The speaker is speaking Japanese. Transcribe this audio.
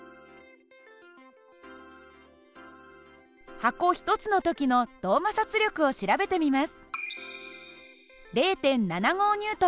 箱１つの時の動摩擦力を調べてみます。